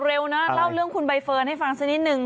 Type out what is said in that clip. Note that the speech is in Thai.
เร็วนะเล่าเรื่องคุณใบเฟิร์นให้ฟังสักนิดนึง